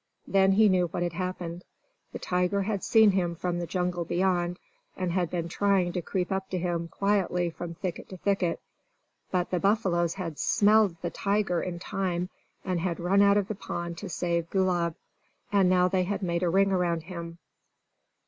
Then he knew what had happened. The tiger had seen him from the jungle beyond, and had been trying to creep up to him quietly from thicket to thicket. But the buffaloes had smelled the tiger in time, and had run out of the pond to save Gulab. And now they had made a ring around him.